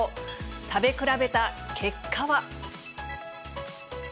食べ比べた結果は。